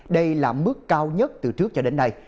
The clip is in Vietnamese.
đây là mức cao nhất từ trước cho đến nay